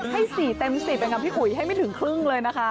ให้๔เต็ม๑๐ค่ะพี่อุ๋ยให้ไม่ถึงครึ่งเลยนะคะ